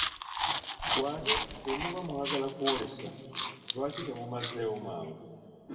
Ggwe ate bwe muba mwagala kw'olesa, lwaki temumazeewo mangu?